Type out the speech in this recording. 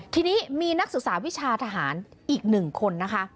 ทีนี้มีนักศึกษาวิชาทหารอีก๑คนนะคะ